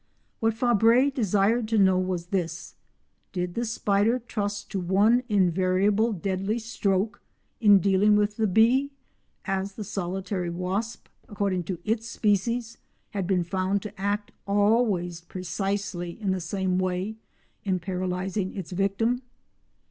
What Fabre desired to know was this: did the spider trust to one invariable deadly stroke in dealing with the bee, as the solitary wasp, according to its species, had been found to act always precisely in the same way in paralysing its victim?